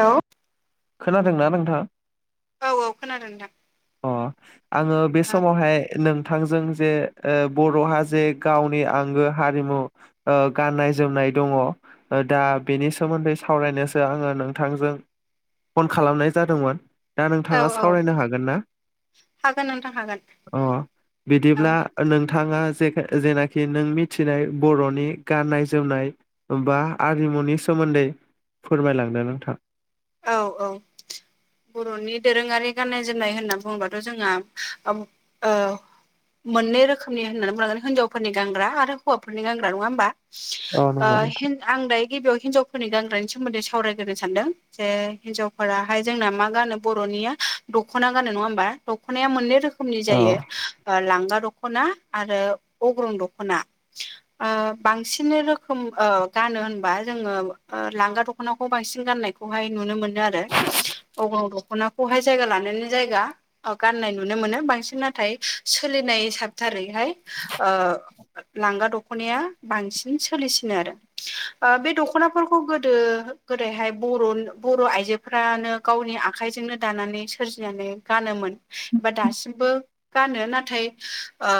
हेल' खोनादोंना नोंथाङा औ औ खोनादों थां। अ आङो बे समावहाय नोंथांजों जे बर'हा जे गावनि आंगो हारिमु गाननाय जोमनाय दङ दा बेनि सोमोन्दै सावरायनोसो आङो नोंथांजों फन खालामनाय जादोंमोन। दा औ नोंथाङा औ सावरायनो हागोन ना हागोन नोंथां हागोन अ औ बिदिब्ला नोंथाङा जे जेनाखि नों मिथिनाय बर'नि गाननाय जोमनाय। बा आरिमुनि सोमोन्दै फोरमायलांदों नोंथां। औ औ बर'नि दोरोङारि गाननाय जोमनाय होनना बुङोबाथ' जोंहा मोननै रोखोमनि होननानै बुंनांगोन हिनजावफोरनि गानग्रा आरो हौवाफोरनि गानग्रा नङा होमबा? औ नंगौ नोंथां आं दायो गिबियाव हिनजावफोरनि गानग्रानि सोमोन्दै सावरायग्रो सानदों। जे हिनजावफोराहाय जोंना मा गानो बर'निया दख'ना गानो नङा होमबा दख'नाया मोननै रोखो खनि औ जायो लांगा दख'ना आरो अग्रं दख'ना [inaudible] बांसिन रोखोम गानो होनबा जोङो लांगा दख'नाखौ बांसिन गाननाय खौहाय नुनो मोनो आरो अग दख'नाखौहाय जायगा लानायनि जायगा औ गाननाय नुनो मोनो बांसिन नाथाय सोलिनाय साबथारैहाय लांगा दख'नाया बांसिन सोलिसिनो आरो बे दख'नाफोरखौ गोदो गोदैहाय बर बर' आइजोफ्रानो गावनि आखाइजोंनो दानानै सोरजिनानै गानोमोन। एबा दासिमबो गानो नाथाय ओ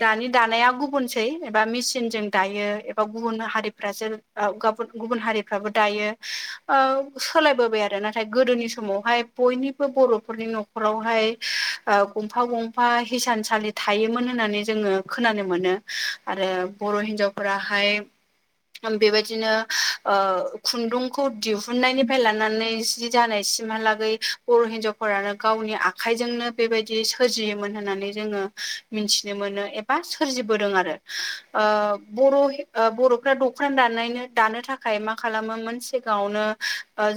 दानि दानाया गुबुनसै एबा मेचिनजों दायो एबा गुबुन हारिफ्रासो ग गुबुन हारिफ्राबो दायो। सोलायबोबाय आरो नाथाय गोदोनि समावहाय बयनिबो बर'फोरनि न'खर नखरावहाय गंफा गंफा हिसानसालि थायोमोन होननानै जोङो खोनानो मोनो। आरो बर' हिन्जावफोराहाय बेबायदिनो खुन्दुंखौ खौ दिहुननायनिफ्राय लानानै जि जानाय सिमहालागै बर' हिन्जावफोरानो गावनि आ आखाइजोंनो बेबायदि सोरजियोमोन होननानै जोङो मिथिनो मोनो एबा सोरजिबोदों आरो बर' बर'फ्रा दखनाान दानाय दानो थाखाय मा खालामोमोन। सिगाङावनो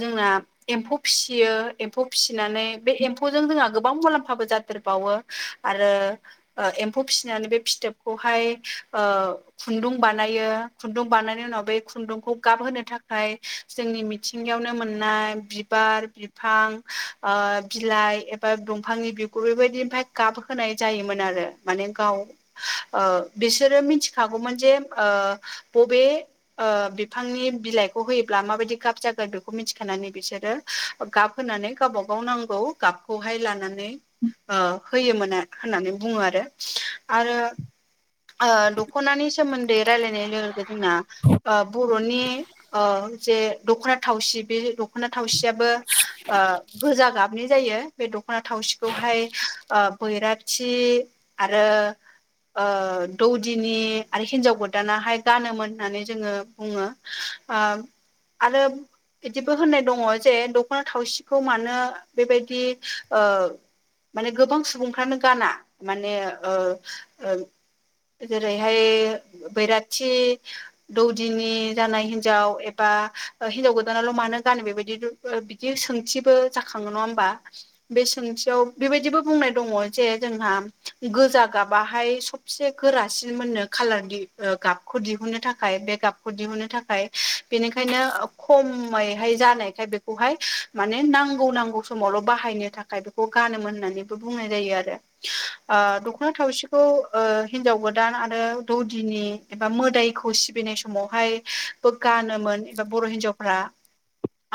जोंना एम्फौ फिसियो एम्फौ फिसिनानै बे एम्फौजों जोंहा गोबां मुलाम्फाबो जाथेरबावो आरो एम्फौ फिसिनानै बे फिथोबखौहाय खुन्दुं बानायो खुन्दुं बानायनायनि उनाव बे खुन्दुंखौ गाबहोनो थाखाय जोंनि मिथिंगायावनो मोननाय बिबार बिफां बिलाइ बा दंफांनि बिगुर बेबायदि ओमफ्राय गाब होनाय जायोमोन आरो माने गाव बिसोरो मिथिखागौमोन जे बबे बिफांनि बिलाइखौ होयो माबायदि गाब जागोन बेखौ मिथिखानानै बिसोरो गाब होनानै गावब गाव नांगौ गाब खौहाय लानानै ओ होयोमोन होननानै बुङो आरो आरो ओ दख'नानि सोमोन्दै रायलायनाय लोगो लोगो जोंना ओ बर'नि ओ जे दख'ना थावसि बे दख'ना थावसिया बो गोजा गाब नुनाय जायो बे दख'ना थावसिखौहाय बैराथि आरो ओ दौदिनि आरो हिनजाव गोदानाहाय गानोमोन होननानै जोङो बुङो आ आरो बिदिबो होननाय दङ जे दख'ना थावसिखौ मानो बेबायदि ओ माने गोबां सुबुंफ्रानो गाना माने ओ ओ जेरैहाय बैराथि दौदिनि जानाय हिन्जाव एबा बा हिनजाव गोदानाल' मानो गानो बेबायदि ओ बिदि सोंथिबो जाखाङो नङा होमबा बे सोंथियाव बेबायदिबो बुंनाय दङ जे जोंहा गोजा गाबाहाय स फिसो गोरासिन मोननो कालार दि ओ गाबखौ दिहुनो थाखाय बे गाबखौ दिहुनो थाखाय बेनिखायनो खमैहाय जानायखाय बेखौहाय माने नांगौ नांगौ समावल' बाहायनो था खाय बेखौ गानोमोन होननानैबो बुंनाय जायो आरो ओ दख'ना थावसिखौ ओ हिनजाव गोदान आरो दौदिनि एबा मोदायखौ सिबिनाय समावहाय गानोमोन एबा बर' हिनजावफ्रा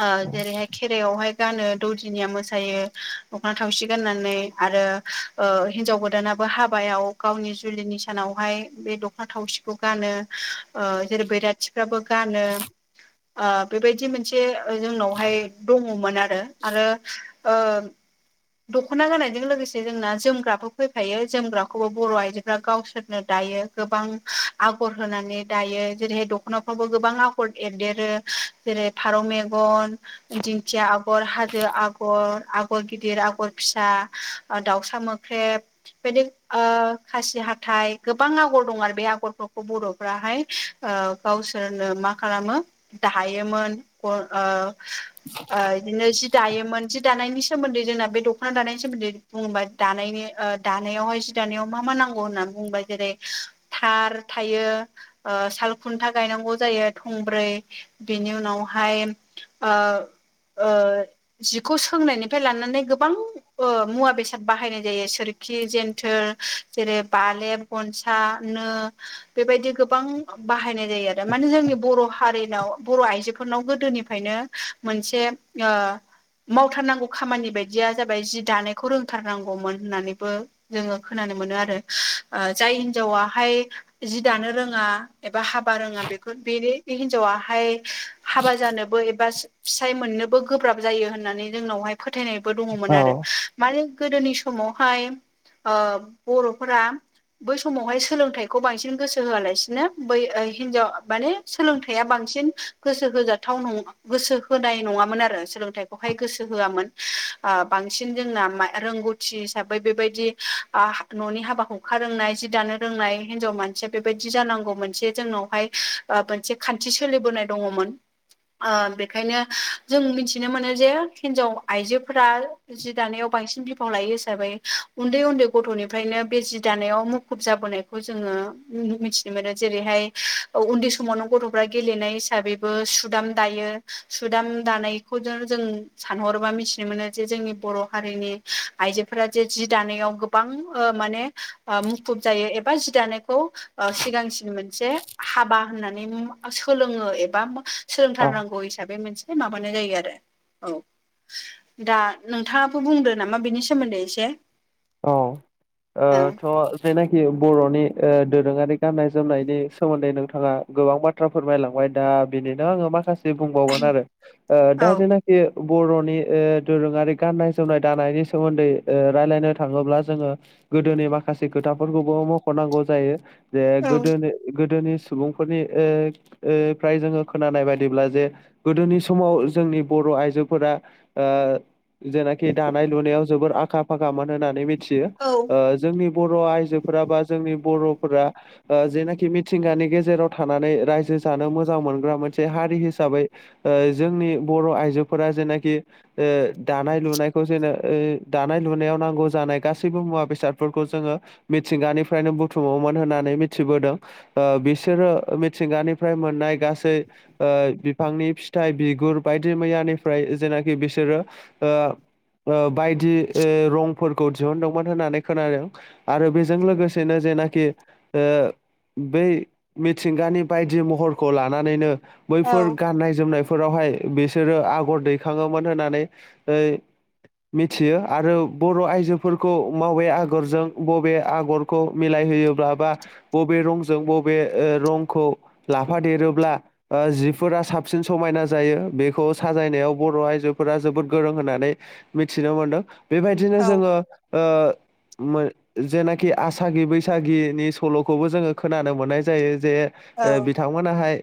ओ जेरैहाय खेराइायावहाय गानो दौदिनिया मोसायो दख'ना थावसि गाननानै आरो ओ हिन्जाव गोदानाबो हाबायाव गावनि जुलिनि सानावहाय बे दख'ना थावसि खौ गानो ओ जेरै बैराथिफ्राबो गानो ओ बेबायदि मोनसे जोंनावहाय दङमोन आरो आरो ओ दख'ना गानायजों लोगोसे जोंना जोमग्राबो फैफायो जोमग्राखौबो बर' आइजोफ्रा गावसोरनो दायो गोबां आगर होनानै दायो जेरैहाय दख'ना फ्रावबो गोबां आखर एरदेरो जेरै फारौ मेगन दिंखिया आगर हाजो आगर आगर गिदिर आगर फिसा दाउसा मो ख्रेब बेदि ओ खासि हाथाइ गोबां आगर दं आरो बे आगरफोरखौ बर'फ्राहाय ओ गावसोरनो मा खालामो धायोमोन ओ ओ इदिनो जि दायोमोन जि दानायनि सोमोन्दै जोंना बे दख'ना दानायनि सोमोन्दै बुङोबा दानायनि ओ दानायावहाय दानायाव मा मा नांगौ होननानै बुङोबा जेरै थार थायो साल खुन्था गायनांगौ जायो थंब्रै बेनि उनावहाय ओ ओ जिखौ सोंनायनिफ्राय लानानै गोबां ओ मुवा बेसाद बाहायनाय जायो सोरखि जेन्थोर जेरै बालेब गनसा नो बेबायदि गोबां बाहायनाय जायो आरो माने जोंनि बर' हारिनाव बर' आइजोफोरनाव गोदोनिफायनो मोनसे ओ मावथारनांगौ खामानि बायदिया जाबाय जि दानायखौ रोंथारनांगौमोन होननानैबो। जोङो खोनानो मोनो आरो जाय हिनजावाहाय जि दानो रोङा। एबा हाबा रोङा बेखौ बेनि हिन्जावाहाय। हाबा जानोबो एबा फिसाय मोननोबो गोब्राब जायो होननानै जोंनावहाय फोथायनाय। बो दङमोन औ आरो माने गोदोनि समावहाय ओ बर'फोरा बै समावहाय सोलोंथाइखौ बांसिन गोसो होआलासिनो। बै हिनजाव माने सोलोंथाइया बांसिन गोसो होजाथाव नङा गोसो होनाय नङामोन आरो सोलोंथाइखौहाय गोसो होआमोन बांसिन जोंना रोंगौथि। हिसाबै बेबायदि न'नि हाबा हुंखा रोंनाय जि दानो रोंनाय हाव मानसिया बेबायदि जानांगौ मोनसे जोंनावहाय मोनसे खान्थि सोलिबोनाय दङमोन। बेखायनो जों मिथिनो मोनो जे हिन्जाव आइजोफोरा। जि दानायाव बांसिन बिफाव लायो हिसाबै उन्दै उन्दै गथ'निफ्रायनो बे जि दानायाव मुखुब जाबोनाय। खौ जोङो नुनो मोनथिनो मोनो आरो। जेरैहाय उन्दै समावनो गथ'फ्रा गेलेनाय हिसाबैबो सुदाम दायो। सुदाम दानायखौ जों जों। सानहरोबा मिथिनो मोनो जे जोंनि बर' हारिनि आइजोफोरा जे जि दानायाव गोबां ओ माने मुखुब जायो एबा जि दानायखौ सिगांसि मोनसे हाबा होननानै सोलोङो एबा औ सोलोंथारनांगौ हिसाबै मोनसे मा? माबानाय जायो आरो औ दा नोंथाङाबो बुंदो नामा बेनि सोमोन्दै एसे। औ। औ थ' जायनाखि बर'नि दोरोङारि गाननाय जोमनायनि सोमोन्दै नोंथाङा। गोबां बाथ्रा फोरमायलांबाय दा बेनिनो आङो माखासे बुंबावगोन आरो औ दा जेनाखि बर'नि दोरोङारि गाननाय जोमनाय दानायनि सोमोन्दै रायलायनो। थाङोब्ला जोङो गोदोनि माखासे खोथाफोरखौबो मख'नांगौ जायो। जे औ गोदोनि गोदोनि सुबुंफोरनि फ्राय जोङो खोनानाय बायदिब्ला जे गोदोनि समाव जोंनि बर' आइजोफोरा जेनाखि दानाय लुनायाव जोबोर आखा फाखामोन होननानै मिथियो। औ जोंनि बर' आइजोफोरा बा जोंनि बर'फोरा। जेनाखि मिथिंगानि गेजेराव थानानै रायजो जानो मोजां मोनग्रा मोनसे हारि हिसाबै। जोंनि बर' आइजोफोरा जेनाखि दानाय लुनायखौ जेननो दानाय लुनायाव नांगौ। जानाय गासैबो मुवा बेसादफोरखौ जोङो मिथिंगानिफ्रायनो बुथुमोमोन होननानै मिथिबोदों। बिसोरो मिथिंगानिफ्राय मोननाय गासै। बिफांनि फिथाइ बिगुर बायदि मैयानिफ्राय जेनाखि बिसोरो बायदि रं फोरखौ दिहुनदोंमोन होननानै खोनादों आरो बेजों लोगोसेनो जेनाखि ओ बै मिथिंगानि बायदि महरखौ लानानैनो औ बैफोर गाननाय-जोमनाय फोरावहाय बिसोरो आगर दैखाङोमोन होननानै। मिथियो आरो। बर' आइजोफोरखौ मावे आगरजों बबे आगरखौ मिलायहोयोब्ला बा बबे रंजों बबे रंखौ लाफादेरोब्ला जिफोरा साबसिन समायना जायो बेखौ साजायनायाव बर' आइजोफोरा जोबोद गोरों होननानै। मिथिनो मोनदों बेबायदिनो औ जोङो। जेनाखि आसागि बैसागिनि सल'खौबो जोङो खोनानो मोननाय जायो जे औ बिथांमोनाहाय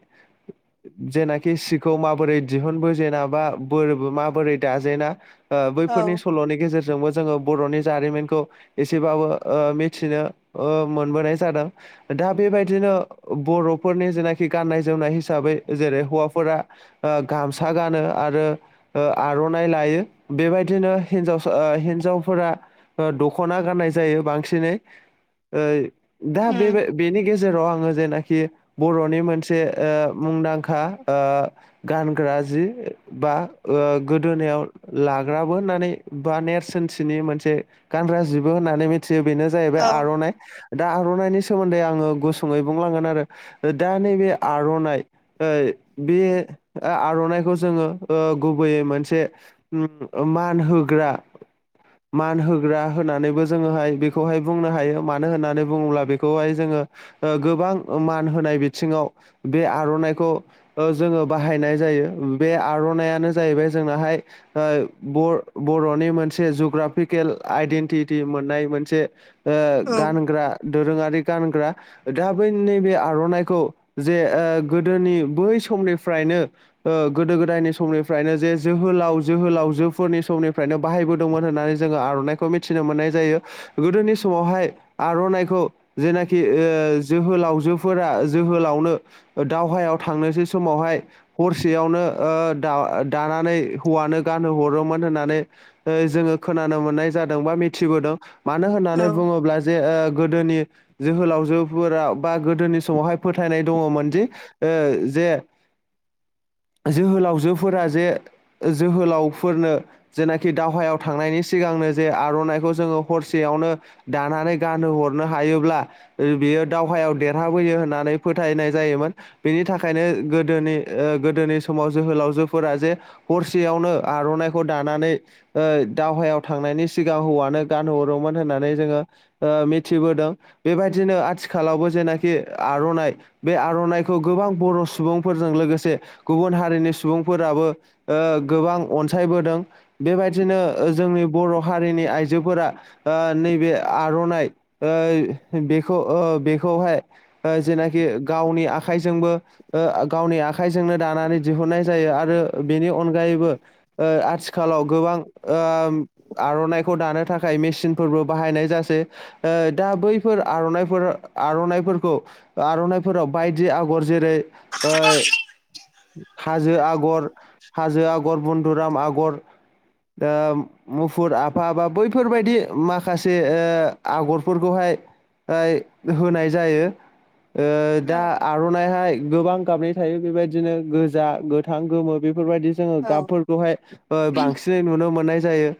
जेनाखि सिखौ माबोरै दिहुनबोजेना बा बोरबो माबोरै दाजेना। बैफोरनि औ सल'नि गेजेरजोंबो जोङो बर'नि जारिमिनखौ। एसेबाबो ओ मिथिनो ओ मोनबोनाय जादों नोंथाङा बेबायदिनो बर'फोरनि जेनाखि गाननाय जोमनाय हिसाबै जेरै हौवाफोरा ओ गामसा गानो आरो आर'नाइ लायो बेबायदिनो हिनजाव ओ हिनजावफोरा दख'ना गाननाय जायो बांसिनै ओ दा बे उम बेनि गे जेराव आङो जेनाखि बर'नि मोनसे ओ मुंदांखा ओ गानग्रा जि बा ओ गोदोनायाव लाग्राबो होननानै बा नेरसोनथिनि मोनसे गानग्रा जिबो होननानै मिथियो बेनो जाहैबाय औ आर'नाइ दा आर'नाइनि सोमोन्दै आङो गुसुङै बुंलांगोन आरो दा नैबे आर'नाइ ओ बे आर'नाइखौ जोङो गुबैयै मोनसे मान होग्रा मान होग्रा होननानैबो जोङोहाय बेखौहाय बुंनो हायो मानो होननानै बुङोब्ला बेखौहाय जोङो गोबां मान होनाय बिथिङाव बे आर'नाइखौ जोङो बाहायनाय जायो बे आर'नायानो जाहैबाय जोंनाहाय बर' बर'नि मोनसे जग्राफिकेल आइडेन्टिटि मोननाय मोनसे ओ औ गानग्रा दोरोङारि गानग्रा दा बै नैबे आर'नाइखौ जे ओ गोदोनि बै समनिफ्रायनो ओ गोदो गोदायनि समनिफ्रायनो जे जोहोलाव जोहोलाव जोफोरनि समनिफ्रायनो बाहायबोदोंमोन होननानै जोङो आर'नाइखौ मिथिनो मोननाय जायो गोदोनि समावहाय आर'नाइखौ जेनाखि जोहोलावजोफोरा जोहोलावनो दावहायाव थांनोसै समावहाय हरसेयावनो ओ दा दानानै हौवानो गानहो हरोमोन होननानै जोङो खोनानो मोननाय जादों बा मिथिबोदों मानो होननानै बुङोब्ला जे ओ गोदोनि जोहोलावजोफोराव बा गोदोनि समावहाय फोथायनाय दङमोन दि ओ जे जोहोलावजोफोरा जे जोहोलावफोरनो जेनाखि दावहायाव थांनायनि सिगांनो जे आर'नाइखौ जोङो हरसेयावनो दानानै गान हरनो हायोब्ला बियो दावहायाव देरहाबोयो होननानै फोथायनाय जायोमोन बेनि थाखायनो गोदोनि गोदोनि समाव जोहोलावजोफोरा जे हरसेयावनो आर'नाइखौ दानानै ओ दावहायाव थांनायनि सिगां हौवानो गानहरोमोन होननानै जोङो ओ मिथिबोदों बेबायदिनो आथिखालावबो जेनाखि आर'नाइ बे आर'नाइखौ गोबां बर' सुबुंफोरजों लोगोसे गुबुन हारिनि सुबुंफोराबो ओ गोबां अनसायबोदों बेबायदिनो जोंनि बर' हारिनि आइजोफोरा ओ नैबे आर'नाइ ओ बेखौ ओ बेखौहाय जेनाखि गावनि आखाइजोंबो ओ गावनि आखाइजोंनो दानानै दिहुननाय जायो आरो बेनि अनगायैबो ओ आ खालाव ओ गोबां आर'नाइखौ दानो थाखाय मेसिनफोरबो बाहायनाय जासै ओ दा बैफोर आर'नाफोर आर'नाइफोरखौ आर'नाइफोराव बायदि आगर जेरै ओ हाजो आगर हाजो आगर बन्धुराम आगर ओ मुफुर आफा बा बैफोरबायदि माखासे आगरफोरखौहाय ओ होनाय जायो औ दा आर'नायाहाय गोबां गाबनाय थायो बेबायदिनो गोजा गोथां गोमो बेफोरबायदि जोङो औ गाबफोरखौहाय ओ बांसिनै नुनो मोननाय जायो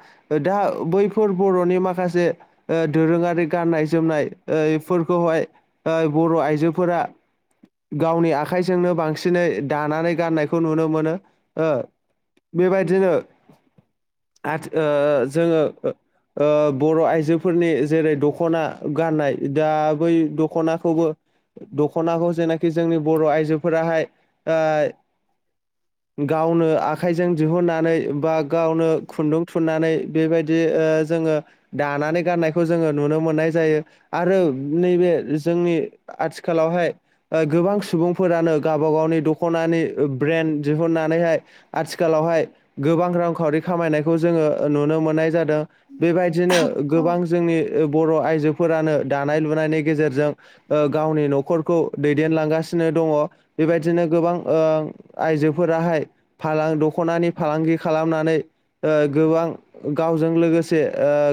दा बैफोर बर'नि माखासे ओ दोरोङारि गाननाय जोमनाय ओ इफोरखौहाय ओ बर' आइजोफोरा गावनि आखाइजोंनो बांसिनै दानानै गाननायखौ नुनो मोनो बेबायदिनो [unintelligible] जोङो ओ बर' आइजोफोरनि जेरै दख'ना गाननाय दा बै दख'नाखौबो। दख'नाखौ जेनाखि जोंनि बर' आइजोफोराहाय। गावनो आखाइजों दिहुननानै‌ बा गावनो खुन्दुं थुननानै बेबायदि जोङो। दानानै गाननायखौ जोङो नुनो मोननाय जायो आरो नैबे जोंनि आथिखालावहाय गोबां सुबुंफोरानो गावबा गावनि दख'नानि ब्रेन्ड दिहुननानैहाय। आथिखालावहाय गोबां रांखावरि खामायनायखौ जोङो नुनो मोननाय जादों। बेबायदिनो औ गोबां जोंनि बर' आइजोफोरानो दानाय लुनायनि गेजेरजों। ओ गावनि न'खरखौ दैदेनलांगासिनो दङ। बेबायदिनो गोबां आइजोफोराहाय फालां दख'नानि फालांगि खालामनानै गोबां गावजों लोगोसे